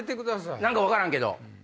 何か分からんけど。